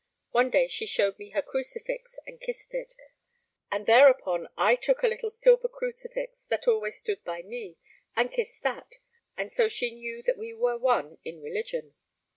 One day she showed me her crucifix and kissed it, and thereupon I took a little silver crucifix that always stood by me, and kissed that, and so she knew that we were one in religion.